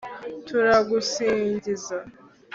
turagusingiza